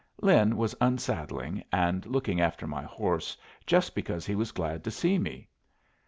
Lin was unsaddling and looking after my horse, just because he was glad to see me.